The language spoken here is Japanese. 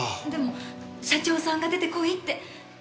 でも社長さんが出てこいって。